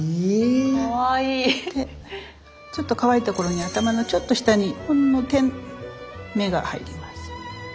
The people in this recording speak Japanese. でちょっと乾いた頃に頭のちょっと下にほんの点目が入ります。